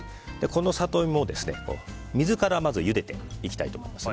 このサトイモを水からまずゆでていきたいと思います。